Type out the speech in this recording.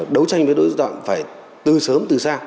đấu tranh với đối tượng phải từ sớm từ xa